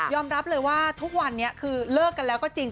รับเลยว่าทุกวันนี้คือเลิกกันแล้วก็จริง